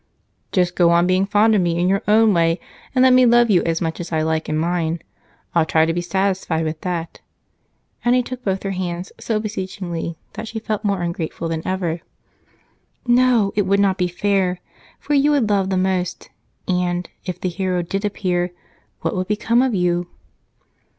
"Just go on being fond of me in your own way, and let me love you as much as I like in mine. I'll try to be satisfied with that." And he took both her hands so beseechingly that she felt more ungrateful than ever. "No, it would not be fair, for you would love the most and, if the hero did appear, what would become of you?"